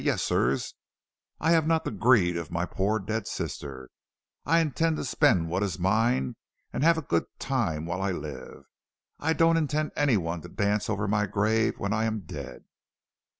Yes, sirs; I have not the greed of my poor dead sister; I intend to spend what is mine, and have a good time while I live. I don't intend any one to dance over my grave when I am dead."